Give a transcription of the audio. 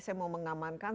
saya mau mengamankan